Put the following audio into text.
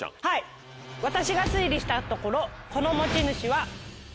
はい私が推理したところこの持ち主は。